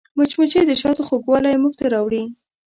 مچمچۍ د شاتو خوږوالی موږ ته راوړي